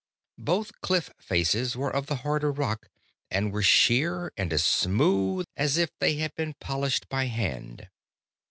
Both cliff faces were of the harder rock, and were sheer and as smooth as if they had been polished by hand.